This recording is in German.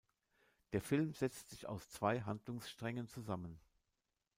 Der Film setzt sich aus zwei Handlungssträngen zusammen.